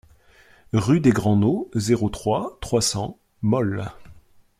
Rue des Grands Nauds, zéro trois, trois cents Molles